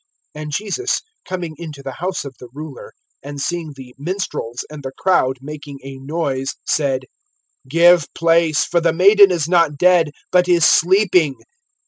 And Jesus, coming into the house of the ruler, and seeing the minstrels and the crowd making a noise, (24)said: Give place; for the maiden is not dead, but is sleeping.